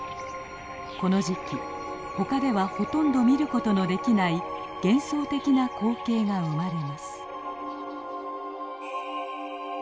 この時期他ではほとんど見ることのできない幻想的な光景が生まれます。